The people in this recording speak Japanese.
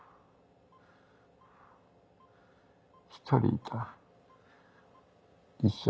１人いた。